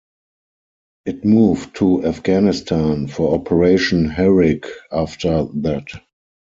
It moved to Afghanistan for Operation Herrick after that.